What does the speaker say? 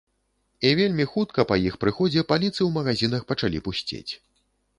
І вельмі хутка па іх прыходзе паліцы ў магазінах пачалі пусцець.